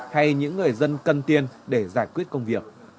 hay những người dân cần tiền để giải quyết công việc